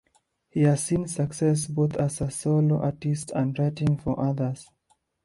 He has seen success both as a solo artist and writing for others.